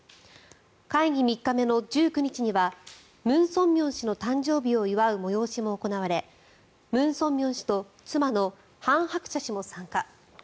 会議３日目の１９日にはムン・ソンミョン氏の誕生日を祝う催しも行われムン・ソンミョン氏と妻のハン・ハクチャ氏も参加。